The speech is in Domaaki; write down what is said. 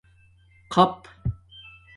خپ